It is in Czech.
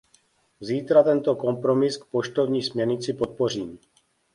Zítra tento kompromis k poštovní směrnici podpořím.